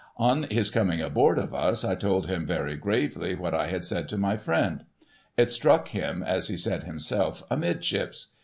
On his coming ahoard of us, I told him, very gravely, what I had said to my friend. It struck him, as he said himself, amidships.